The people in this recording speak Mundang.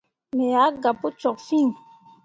Me ah gah pu cok fîi.